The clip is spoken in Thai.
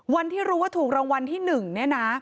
วันที่รู้ว่าถูกรางวัลที่๑เนี่ยนะ